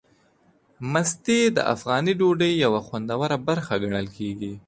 مستې د افغاني ډوډۍ یوه خوندوره برخه ګڼل کېږي.